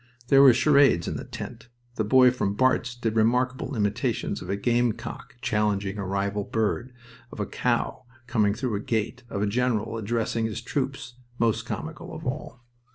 There were charades in the tent. The boy from Barts' did remarkable imitations of a gamecock challenging a rival bird, of a cow coming through a gate, of a general addressing his troops (most comical of all).